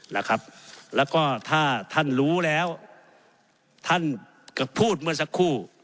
นะครับแล้วก็ถ้าท่านรู้แล้วท่านก็พูดเมื่อสักครู่